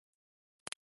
俺はお前を信じていたぜ…